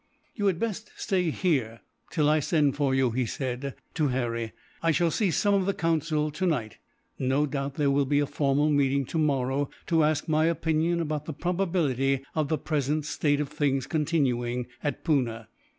"You had best stay here, till I send for you," he said, to Harry. "I shall see some of the Council tonight. No doubt there will be a formal meeting, tomorrow, to ask my opinion about the probability of the present state of things continuing at Poona.